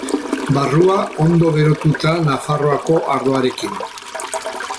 Barrua ondo berotuta Nafarroako ardoarekin.